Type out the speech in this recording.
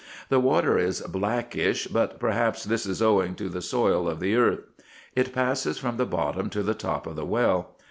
The water is blackish, but perhaps this is owing to the soil of the earth ; it passes from the bottom to the top of the well.